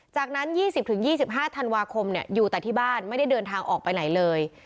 จากนั้น๒๐๒๕ธันวาคมอยู่แต่ที่บ้านไม่ได้เดินทางออกไปไหนเลย